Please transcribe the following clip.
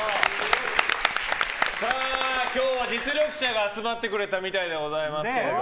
今日は実力者が集まってくれたみたいでございますが。